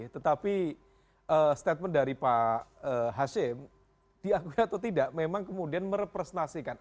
tetapi statement dari pak hashim diakui atau tidak memang kemudian merepresentasikan